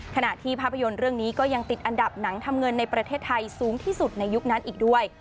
ภาพที่ภาพยนตร์เรื่องนี้ก็ยังติดอันดับหนังทำเงินในประเทศไทยสูงที่สุดในยุคนั้นอีกด้วย